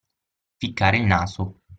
Ficcare il naso.